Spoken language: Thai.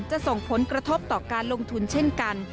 จะส่งผลกระทบต่อการลงทุนเช่นกัน